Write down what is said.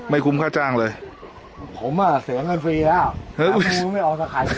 ไม่คุ้มค่าจ้างเลยผมอ่ะเสริมเงินฟรีแล้วไม่ออกสะขาย